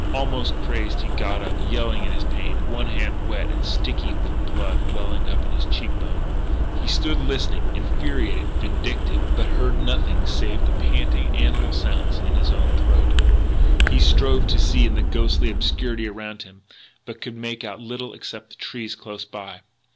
Almost crazed, he got up, yelling in his pain, one hand wet and sticky from blood welling up from his cheek bone. He stood listening, infuriated, vindictive, but heard nothing save the panting, animal sounds in his own throat. He strove to see in the ghostly obscurity around him, but could make out little except the trees close by.